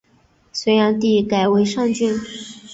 隋炀帝改为上郡。